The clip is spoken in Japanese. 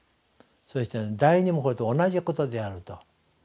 そして第二もこれと同じことであると。